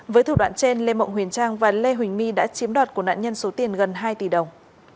với thủ đoạn trên lê mộng huyền trang và lê huỳnh my đã chiếm đoạt của nạn nhân số tiền gần hai tỷ đồng